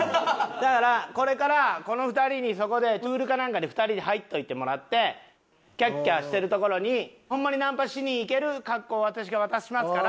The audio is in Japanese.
だからこれからこの２人にそこでプールかなんかに２人に入っといてもらってキャッキャッしてるところにホンマにナンパしにいける格好を私が渡しますから。